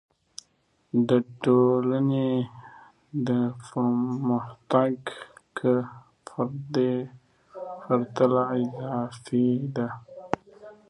د ټولنې د پرمختګ کچه د فرد د کردار په پرتله اعظمي ده.